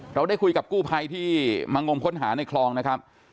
เราได้คุยกับกู้ภัยที่มางมค้นหาในคลองนะครับ